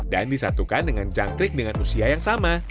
dan disatukan dengan jangkrik dengan usia yang sama